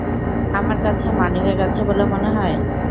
আমার কাছে মানিব্যাগ আছে বলে মনে হয়?